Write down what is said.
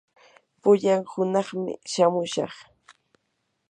pullan hunaqmi shamushaq.